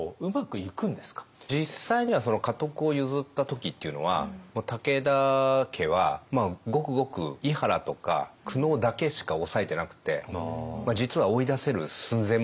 実際には家督を譲った時っていうのは武田家はごくごく庵原とか久能だけしかおさえてなくて実は追い出せる寸前までいってたんですよね。